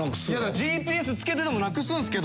ＧＰＳつけててもなくすんですけど。